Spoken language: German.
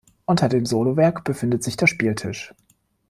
Unter dem Solowerk befindet sich der Spieltisch.